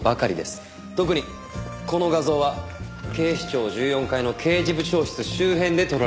特にこの画像は警視庁１４階の刑事部長室周辺で撮られたもの。